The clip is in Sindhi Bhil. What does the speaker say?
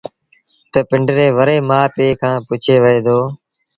تا پنڊري مري مآ پي کآݩ پُڇي وهي دو